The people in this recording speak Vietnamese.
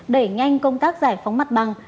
đẩy nhanh công tác giải phóng mặt bằng